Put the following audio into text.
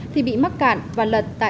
thì bị mắc kẹt